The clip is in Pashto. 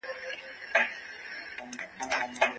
بدن اضافي کالوري غوړ کې زېرمه کوي.